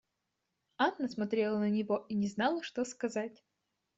Анна смотрела на него и не знала, что сказать.